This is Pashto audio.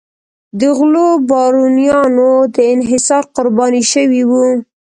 د غلو بارونیانو د انحصار قرباني شوي وو.